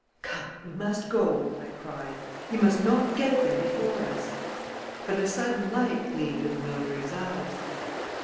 "Come, we must go!" I cried. "He must not get there before us!" But a sudden light gleamed in the notary's eyes.